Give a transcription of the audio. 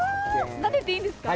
なでていいですか。